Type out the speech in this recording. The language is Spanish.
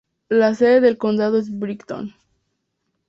La sede del condado es Brighton.